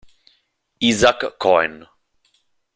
Itzhak Cohen